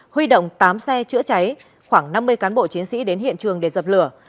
huy động tám xe chữa cháy khoảng năm mươi cán bộ chiến sĩ đến hiện trường để dập lửa